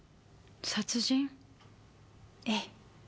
殺人？ええ。